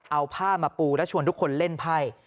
เอาผ้ามาปูและชวนทุกคนเล่นไพ่